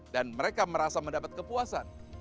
dan mereka merasa mendapat kepuasan